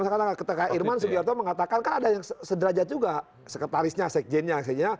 kayak irman soegiarto mengatakan kan ada yang sederajat juga sekretarisnya sekjennya